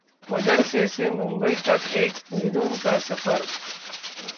मदरसे से मुंबई तक एक जुनून का सफर